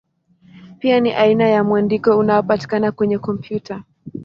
Pia ni aina ya mwandiko unaopatikana kwenye kompyuta.